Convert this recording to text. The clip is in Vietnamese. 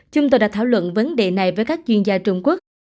chúng tôi đã thảo luận vấn đề này với các chuyên gia trung quốc